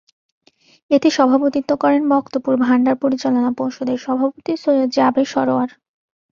এতে সভাপতিত্ব করেন বক্তপুর ভান্ডার পরিচালনা পর্ষদের সভাপতি সৈয়দ জাবের সরোয়ার।